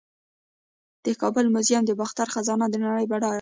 د کابل میوزیم د باختر خزانه د نړۍ بډایه وه